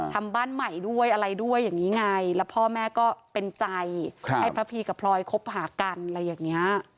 ทำบ้านใหม่ด้วยอะไรด้วยอย่างนี้ไงแล้วพ่อแม่ก็เป็นใจให้พระพีกับพลอยคบหากันอะไรอย่างนี้